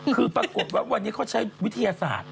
คือปรากฏว่าวันนี้เขาใช้วิทยาศาสตร์